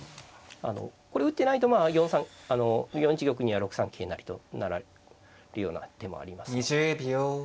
これ打ってないと４一玉には６三桂成と成られるような手もあります。